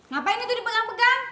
ngapain itu dipegang pegang